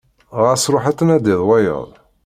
Ɣas ruḥ ad tnadiḍ wayeḍ.